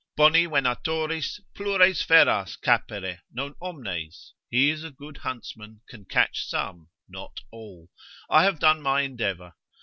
Boni venatoris (one holds) plures feras capere, non omnes; he is a good huntsman can catch some, not all: I have done my endeavour.